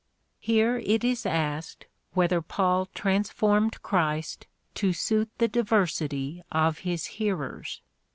Here it is asked, whether Paul transformed Christ to suit the diversity of his hearers.